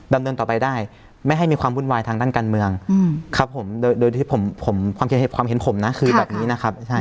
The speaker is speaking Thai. ดำเนินต่อไปได้ไม่ให้มีความวุ่นวายทางด้านการเมืองครับผมโดยที่ผมความเห็นผมนะคือแบบนี้นะครับ